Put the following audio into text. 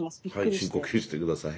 はい深呼吸して下さい。